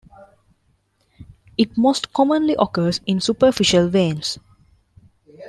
It most commonly occurs in superficial veins.